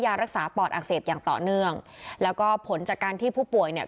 ยารักษาปอดอักเสบอย่างต่อเนื่องแล้วก็ผลจากการที่ผู้ป่วยเนี่ย